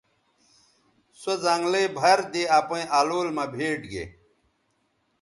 سو زنگلئ بَھر دے اپئیں الول مہ بھیٹ گے